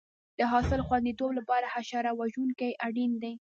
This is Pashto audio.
د حاصل خوندیتوب لپاره حشره وژونکي اړین دي.